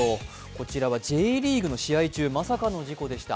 こちらはＪリーグの試合中、まさかの事故でした。